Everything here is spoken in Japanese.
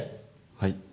はい。